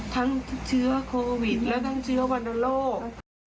ทั้งเชื้อโควิดและทั้งเชื้อวันโลก